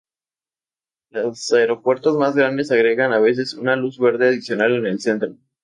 Los aeropuertos más grandes agregan a veces una luz verde adicional en el centro.